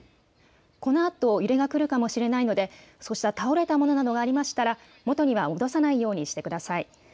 このあと揺れが来るかもしれないのでそうした倒れたものなどがありましたら元には戻さないようにしてください。